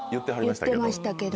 言ってましたけど。